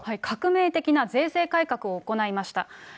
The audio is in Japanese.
革命的な税制改革を行いました。